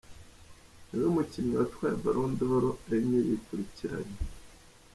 Niwe mukinnyi watwaye Ballon d’or enye yikurikiranya.